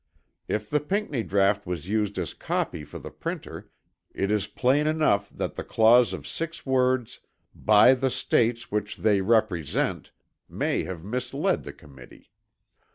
If the Pinckney draught was used as copy for the printer, it is plain enough that the clause of six words "by the States which they represent" may have misled the Committee.